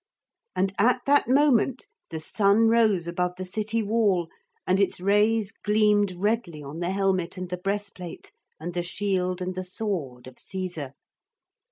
And at that moment the sun rose above the city wall, and its rays gleamed redly on the helmet and the breastplate and the shield and the sword of Caesar.